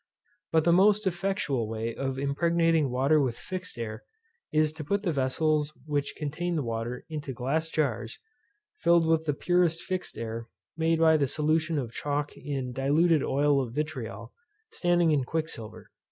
But the most effectual way of impregnating water with fixed air is to put the vessels which contain the water into glass jars, filled with the purest fixed air made by the solution of chalk in diluted oil of vitriol, standing in quicksilver.